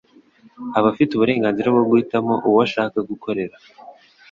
aba afite uburenganzira bwo guhitamo uwo ashaka gukorera.